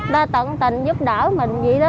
đã tận tình giúp đỡ mình vậy đó